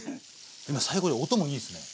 最後音もいいんすね。